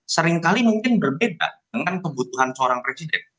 seringkali mungkin berbeda dengan kebutuhan seorang presiden